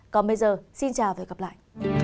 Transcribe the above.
còn bây giờ xin chào và gặp lại